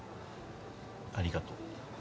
ありがとう。